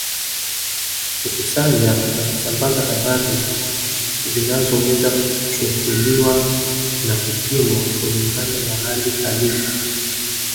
Kukusanya na kusambaza habari zinazoweza kuchunguliwa na kupimwa kulingana na hali halisi